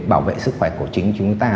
bảo vệ sức khỏe của chính chúng ta